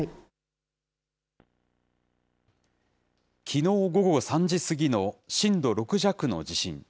きのう午後３時過ぎの震度６弱の地震。